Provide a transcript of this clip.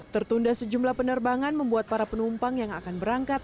tertunda sejumlah penerbangan membuat para penumpang yang akan berangkat